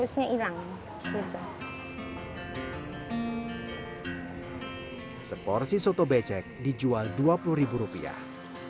seporsi soto becek dijual dua puluh ribu rupiah